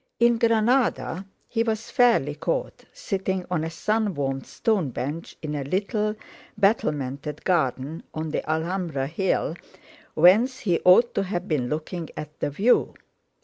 In Granada he was fairly caught, sitting on a sun warmed stone bench in a little battlemented garden on the Alhambra hill, whence he ought to have been looking at the view.